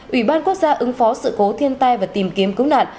ủy ban quốc gia ứng phó sự cố thiên tai và tìm kiếm cứu nạn